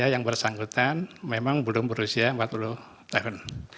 yang bersangkutan memang belum berusia empat puluh tahun